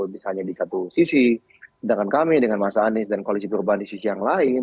misalnya di satu sisi sedangkan kami dengan mas anies dan koalisi perubahan di sisi yang lain